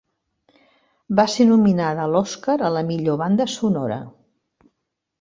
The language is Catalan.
Va ser nominada a l'Oscar a la millor banda sonora.